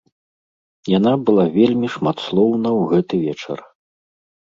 Яна была вельмі шматслоўна ў гэты вечар.